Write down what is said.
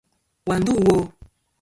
Wà ndû wo?